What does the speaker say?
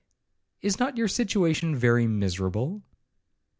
'Is not your situation very miserable?'